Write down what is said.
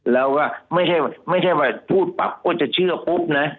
แล้วก็ไม่ใช่ว่าพูดปรับก็จะเชื่อปุ๊บนะ